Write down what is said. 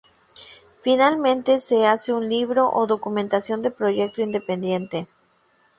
Finalmente, se hace un libro o documentación de proyecto independiente.